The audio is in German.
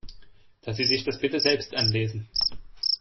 Dass Sie sich das bitte selbst anlesen.